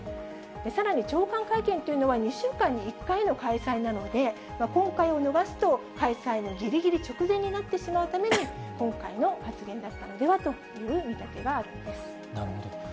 さらに、長官会見というのは２週間に１回の開催なので、今回を逃すと、開催のぎりぎり直前になってしまうために、今回の発言だったのでなるほど。